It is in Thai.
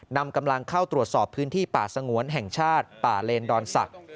นำกำลังเข้าตรวจสอบพื้นที่ป่าสงวนแห่งชาติป่าเลนดอนศักดิ์